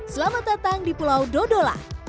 selamat datang di pulau dodola